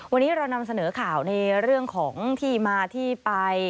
วันนี้เรานำเสนอข่าวในเรื่องของที่มาที่ไป